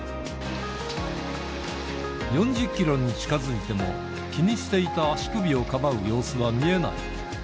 ４０キロに近づいても、気にしていた足首をかばう様子は見えない。